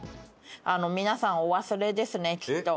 皆さんお忘れですねきっと。